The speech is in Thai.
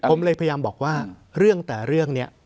ผมเลยพยายามบอกว่าเรื่องแต่เรื่องนี้